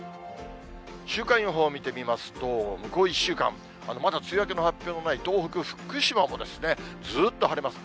週間予報見てみますと、向こう１週間、まだ梅雨明けの発表のない東北、福島もずっと晴れます。